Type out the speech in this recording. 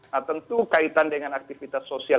nah tentu kaitan dengan aktivitas sosial